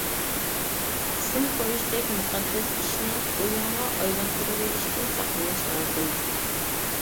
ئىسىم قويۇشتەك مۇقەددەس ئىشنى ئويۇنغا ئايلاندۇرۇۋېلىشتىن ساقلىنىش لازىم.